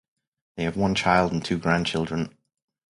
They have one child and two grandchildren.